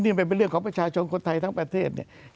นี่มันเป็นเรื่องของประชาชนคนไทยทั้งประเทศเนี่ย